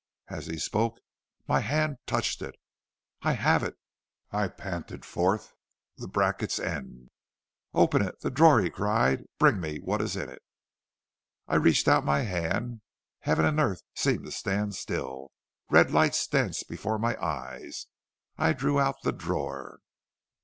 }{}{ "As he spoke my hand touched it. }{}{ "'I have it,' I panted forth. } "'Open it the drawer,' he cried. 'Bring me what is in it.' "I reached out my hand; heaven and earth seemed to stand still; red lights danced before my eyes; I drew out the drawer.